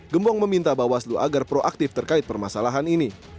gembong meminta bawaslu agar proaktif terkait permasalahan ini